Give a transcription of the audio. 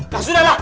nah sudah lah